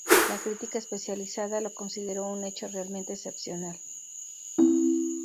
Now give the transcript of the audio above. La crítica especializada lo consideró un hecho realmente excepcional.